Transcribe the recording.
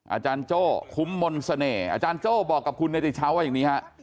อาจารย์โจ้คุ้มมนต์เสน่ห์อาจารย์โจ้บอกกับคุณเนติชาวว่าอย่างนี้ฮะ